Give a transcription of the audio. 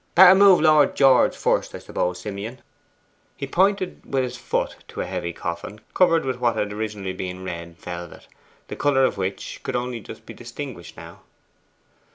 Better move Lord George first, I suppose, Simeon?' He pointed with his foot to a heavy coffin, covered with what had originally been red velvet, the colour of which could only just be distinguished now.